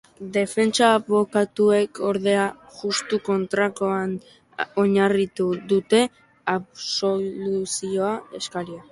Defentsa abokatuek, ordea, justu kontrakoan oinarritu dute absoluzio eskaria.